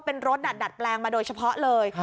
เป็นรถดัดดัดแปลงมาโดยเฉพาะเลย